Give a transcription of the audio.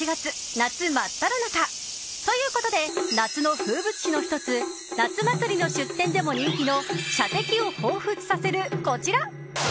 夏真っただ中！ということで、夏の風物詩の１つ夏祭りの出店でも人気の射的をほうふつとさせる、こちら。